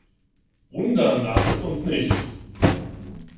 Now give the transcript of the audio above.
Wundern darf es uns nicht!